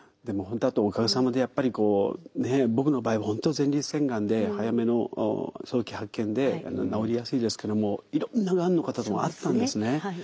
でも本当あとおかげさまでやっぱりこうねえ僕の場合は本当前立腺がんで早めの早期発見で治りやすいですけどもいろんながんの方とも会ったんですね。